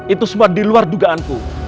itu semua di luar dugaanku